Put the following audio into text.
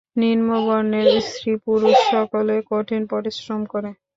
নিম্নবর্ণের স্ত্রী-পুরুষ সকলে কঠিন পরিশ্রম করে।